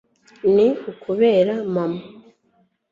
ni ukubera mama